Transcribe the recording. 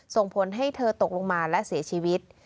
ส่งผลให้เธอตกลงมาและเสียชีวิต